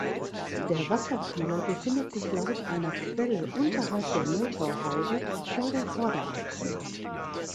Der Wasserkühler befindet sich laut einer Quelle unterhalb der Motorhaube vor der Vorderachse.